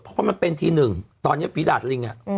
เพราะมันเป็นทีหนึ่งตอนนี้ฟรีดาศริงอ่ะ